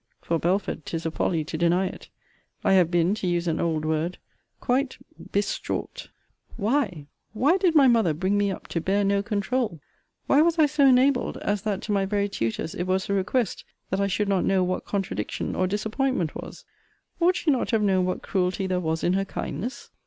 For, Belford, ('tis a folly to deny it,) I have been, to use an old word, quite bestraught. Why, why did my mother bring me up to bear no controul? Why was I so enabled, as that to my very tutors it was a request that I should not know what contradiction or disappointment was? Ought she not to have known what cruelty there was in her kindness?